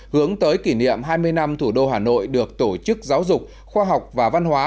hướng tới kỷ niệm hai mươi năm thủ đô hà nội được tổ chức giáo dục khoa học và văn hóa